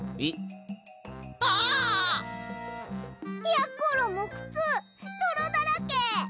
やころもクツどろだらけ！